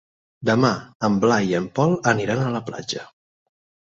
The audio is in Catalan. Demà en Blai i en Pol aniran a la platja.